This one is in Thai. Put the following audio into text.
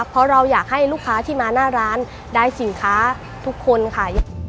เพราะเราอยากให้ลูกค้าที่มาหน้าร้านได้สินค้าทุกคนค่ะ